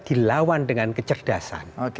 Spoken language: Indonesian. dilawan dengan kecerdasan